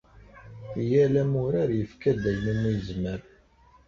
Yal amurar yefka-d ayen umi yezmer.